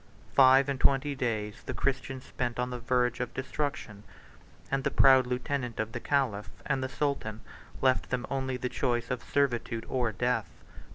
Five and twenty days the Christians spent on the verge of destruction; and the proud lieutenant of the caliph and the sultan left them only the choice of servitude or death.